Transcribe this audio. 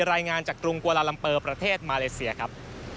รายงานจากกรุงกวาลาลัมเปอร์ประเทศมาเลเซียครับ